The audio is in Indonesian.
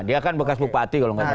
dia kan bekas bupati kalau nggak salah